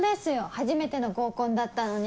初めての合コンだったのに。